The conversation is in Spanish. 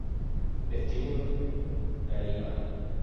Vestíbulo La Elipa